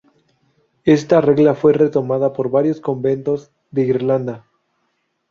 Esta regla fue retomada por varios conventos de Irlanda.